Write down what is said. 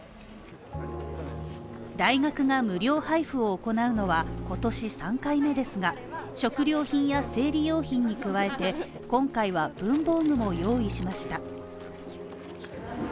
大学が無料配布を行うのは今年３回目ですが、食料品や生理用品に加えて、今回は文房具も用意しました。